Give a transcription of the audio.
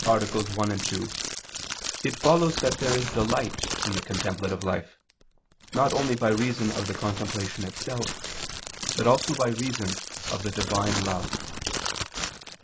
1, 2, ad 1), it follows that there is delight in the contemplative life, not only by reason of the contemplation itself, but also by reason of the Divine love.